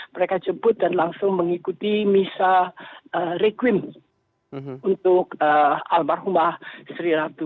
dan saya menjemput dan langsung mengikuti misa requiem untuk almarhumah sri ratu